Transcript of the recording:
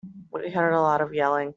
We heard a lot of yelling.